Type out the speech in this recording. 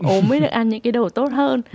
ốm mới được ăn những cái đồ tốt hơn